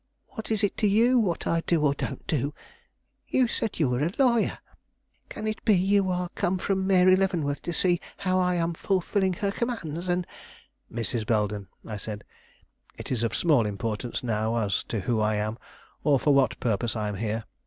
What is it to you what I do or don't do? You said you were a lawyer. Can it be you are come from Mary Leavenworth to see how I am fulfilling her commands, and " "Mrs. Belden," I said, "it is of small importance now as to who I am, or for what purpose I am here.